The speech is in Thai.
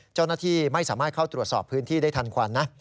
เจ้าหน้าที่ไม่สามารถเข้าตรวจสอบพื้นที่ได้ทันควันนะ